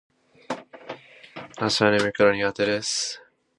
朝は眠いから苦手だ